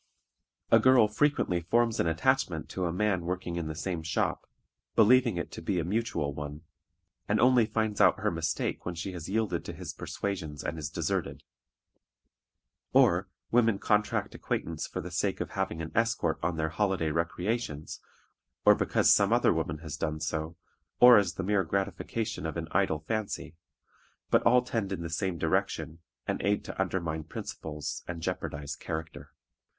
A girl frequently forms an attachment to a man working in the same shop, believing it to be a mutual one, and only finds out her mistake when she has yielded to his persuasions and is deserted. Or women contract acquaintance for the sake of having an escort on their holiday recreations, or because some other woman has done so, or as the mere gratification of an idle fancy; but all tend in the same direction, and aid to undermine principles and jeopardize character.